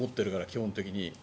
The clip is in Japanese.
基本的に。